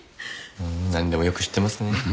なんでもよく知ってますね。